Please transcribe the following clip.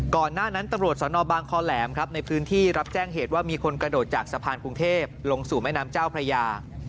ก่อนหน้านั้นตำรวจสนบางคอแหลมครับในพื้นที่รับแจ้งเหตุว่ามีคนกระโดดจากสะพานกรุงเทพลงสู่แม่น้ำเจ้าพระยา